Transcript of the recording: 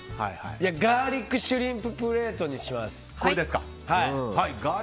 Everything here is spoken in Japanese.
ガーリックシュリンププレートにします。